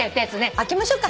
開けましょうか。